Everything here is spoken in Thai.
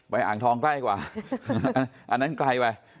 อ่างทองใกล้กว่าอันนั้นไกลไป